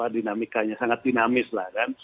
dinamikanya sangat dinamis lah kan